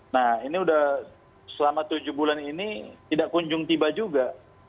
nah ini sudah selama tujuh bulan ini tidak kunjung tiba juga